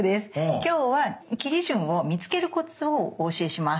今日は切り順を見つけるコツをお教えします。